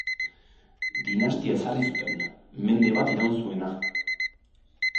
Dinastia ezarri zuten, mende bat iraun zuena.